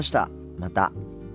また。